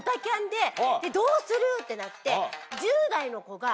どうするってなって。